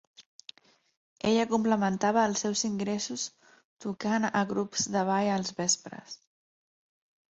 Ella complementava els seus ingressos tocant a grups de ball als vespres.